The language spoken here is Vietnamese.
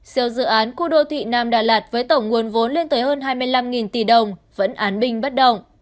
xeo dự án khu đô thị nam đà lạt với tổng nguồn vốn lên tới hơn hai mươi năm tỷ đồng vẫn án binh bất động